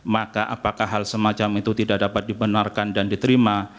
maka apakah hal semacam itu tidak dapat dibenarkan dan diterima